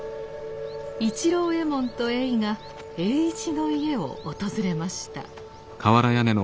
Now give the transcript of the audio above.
市郎右衛門とゑいが栄一の家を訪れました。